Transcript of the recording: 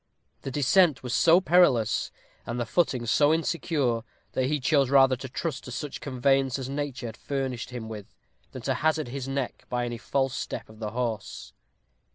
The descent was so perilous, and the footing so insecure, that he chose rather to trust to such conveyance as nature had furnished him with, than to hazard his neck by any false step of the horse.